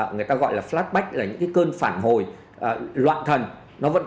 người ta gọi là flashback là những cơn phản hồi loạn thần